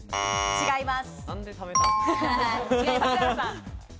違います。